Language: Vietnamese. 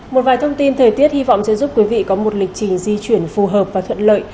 một vài thông tin thời tiết hy vọng sẽ giúp quý vị có một lịch trình di chuyển phù hợp và thuận lợi